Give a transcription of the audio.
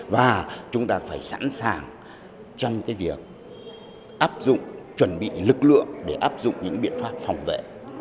và chúng ta phải sẵn sàng trong việc áp dụng chuẩn bị lực lượng để áp dụng những biện pháp phòng vệ